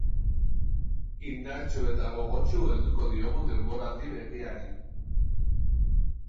Indartsu eta gogotsu helduko diogu denboraldi berriari.